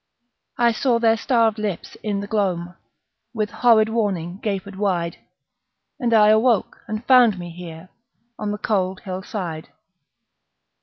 I saw their starved lips in the gloam, With horrid warning gaped wide, And I awoke and found me here, On the cold hill side.